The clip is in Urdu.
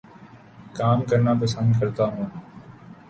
کام کرنا پسند کرتا ہوں